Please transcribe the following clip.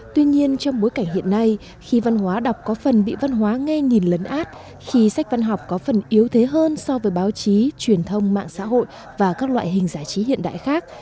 tuy nhiên trong bối cảnh hiện nay khi văn hóa đọc có phần bị văn hóa nghe nhìn lấn át khi sách văn học có phần yếu thế hơn so với báo chí truyền thông mạng xã hội và các loại hình giải trí hiện đại khác